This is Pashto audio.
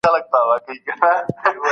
حکومتونو به خپل سفارتونه پرانیستي وي.